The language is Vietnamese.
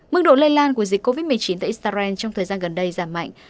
mức độ lây lan của dịch covid một mươi chín tại israel trong thời gian gần đây giảm mạnh